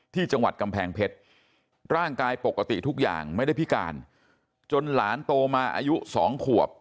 ที่จังหวัดกำแพงเพชรร่างกายปกติทุกอย่างไม่ได้พิการจนหลานโตมาอายุ๒ขวบ